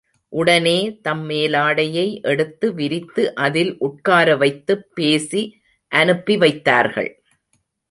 உடனே தம் மேலாடையை எடுத்து விரித்து அதில் உட்கார வைத்துப் பேசி அனுப்பி வைத்தார்கள்.